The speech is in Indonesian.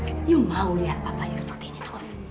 kamu mau lihat papa kamu seperti ini terus